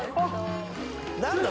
何だ？